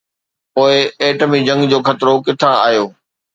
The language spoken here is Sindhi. پوءِ ايٽمي جنگ جو خطرو ڪٿان آيو؟